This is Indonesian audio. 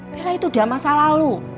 bella itu udah masa lalu